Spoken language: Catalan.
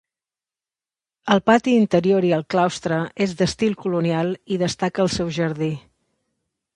El pati interior i el claustre és d'estil colonial i destaca el seu jardí.